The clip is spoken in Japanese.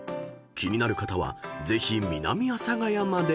［気になる方はぜひ南阿佐ヶ谷まで］